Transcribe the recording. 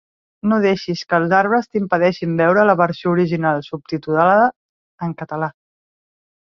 No deixis que els arbres t'impedeixin veure la Versió Original Subtitulada en Català.